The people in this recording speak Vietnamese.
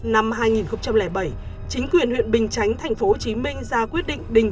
năm hai nghìn bảy chính quyền huyện bình chánh thành phố hồ chí minh ra quyết định